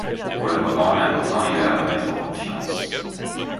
Pour le moment, l'important est de la remettre en confiance.